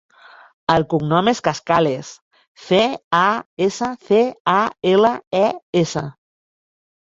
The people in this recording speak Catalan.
El cognom és Cascales: ce, a, essa, ce, a, ela, e, essa.